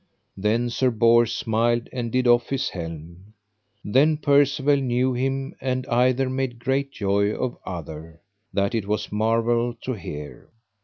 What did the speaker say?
Then Sir Bors smiled and did off his helm. Then Percivale knew him, and either made great joy of other, that it was marvel to hear.